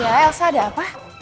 ya elsa ada apa